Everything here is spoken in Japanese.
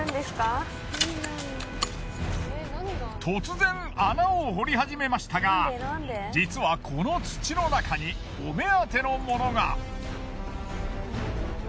突然穴を掘り始めましたが実はこの土の中にお目当てのものが！